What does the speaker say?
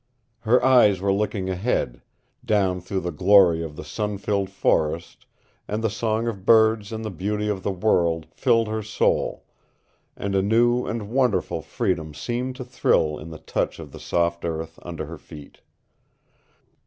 Her eyes were looking ahead, down through the glory of the sun filled forest, and the song of birds and the beauty of the world filled her soul, and a new and wonderful freedom seemed to thrill in the touch of the soft earth under her feet.